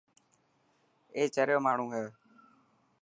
اي چريو ماڻهو هي.